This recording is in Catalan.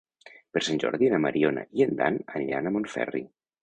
Per Sant Jordi na Mariona i en Dan aniran a Montferri.